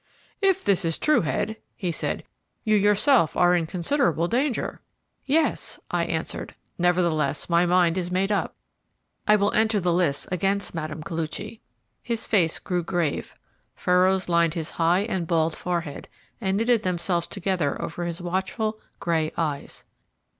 "If this is true, Head," he said, "you yourself are in considerable danger." "Yes," I answered; "nevertheless, my mind is made up. I will enter the lists against Mme. Koluchy." His face grew grave, furrows lined his high and bald forehead, and knitted themselves together over his watchful, grey eyes.